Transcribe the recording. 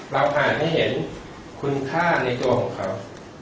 อ่านให้เห็นคุณค่าในตัวของเขา